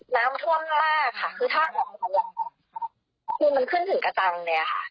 น้ำท่วมหน้าค่ะคือถ้าออกคือมันขึ้นถึงกระจังเลยอ่ะค่ะ